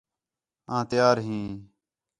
آں تیار ھیں